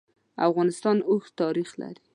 افغانستان اوږد تاریخ لري.